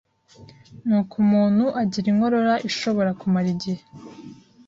ni uko umuntu agira inkorora ishobora no kumara igihe.